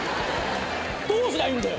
どうすりゃいいんだよ。